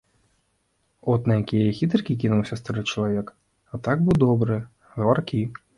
От на якія хітрыкі кінуўся стары чалавек, а так быў добры, гаваркі.